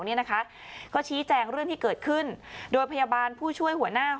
เนี่ยนะคะก็ชี้แจงเรื่องที่เกิดขึ้นโดยพยาบาลผู้ช่วยหัวหน้า